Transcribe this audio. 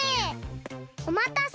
おまたせ！